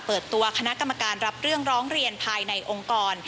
เปิดตัวคณะกรรมการรับเรื่องร้องเรียนภายในองค์กร